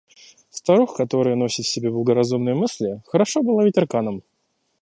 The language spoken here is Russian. Старух, которые носят в себе благоразумные мысли, хорошо бы ловить арканом.